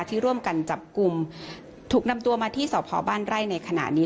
ที่ร่วมกันจับกลุ่มถูกนำตัวมาที่สพบ้านไร่ในขณะนี้